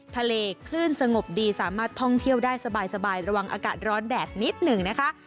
คลื่นสงบดีสามารถท่องเที่ยวได้สบายระวังอากาศร้อนแดดนิดหนึ่งนะคะ